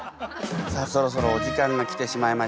さあそろそろお時間が来てしまいました。